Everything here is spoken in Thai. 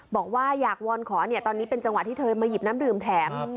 บอกว่าอยากวอนขอตอนนี้เป็นจังหวะที่เธอมาหยิบน้ำดื่มแถม